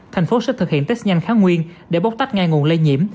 thành phố sẽ thực hiện test nhanh kháng nguyên để bóc tách ngay nguồn lây nhiễm